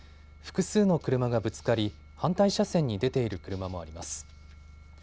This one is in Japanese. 複数の車がぶつかり、反対車線に出ている車もあります。